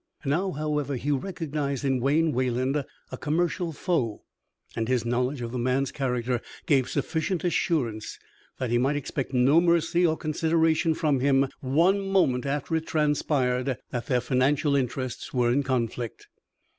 Now, however, he recognized in Wayne Wayland a commercial foe, and his knowledge of the man's character gave sufficient assurance that he might expect no mercy or consideration from him one moment after it transpired that their financial interests were in conflict.